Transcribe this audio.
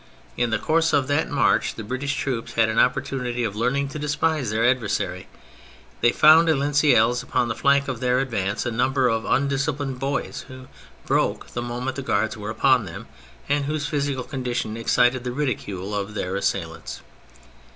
In the course of that march, the British troops had an opportunity of learning to despise their adversary : they found at Linselles, upon the flank of their advance, a number of un disciplined boys who broke the moment the Guards were upon them, and whose physical condition excited the ridicule of their assail ants.